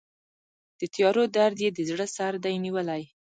د تیارو درد یې د زړه سردې نیولی